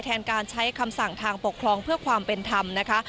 การใช้คำสั่งทางปกครองเพื่อความเป็นธรรมนะคะ